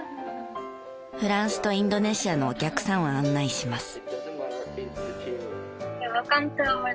フランスとインドネシアのお客さんを案内します。